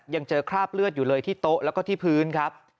ยังเจอคราบเลือดอยู่เลยที่โต๊ะแล้วก็ที่พื้นครับ